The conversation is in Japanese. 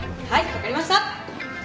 分かりました！